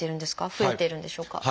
増えてるんでしょうか？